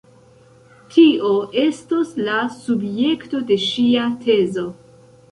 Tio estos la subjekto de ŝia tezo...